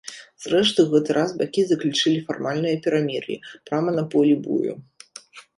Зрэшты, у гэты раз бакі заключылі фармальнае перамір'е прама на полі бою.